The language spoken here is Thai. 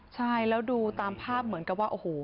ใช่แล้วดูตามภาพเหมือนกับว่าโอ้โห